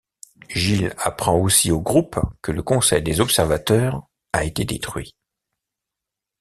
Giles apprend aussi au groupe que le Conseil des Observateurs a été détruit.